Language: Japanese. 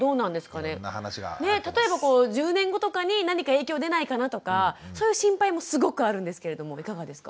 ねっ例えばこう１０年後とかに何か影響出ないかなとかそういう心配もすごくあるんですけれどもいかがですか？